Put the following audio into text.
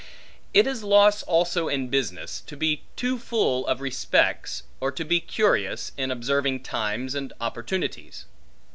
It is loss also in business, to be too full of respects, or to be curious, in observing times and opportunities.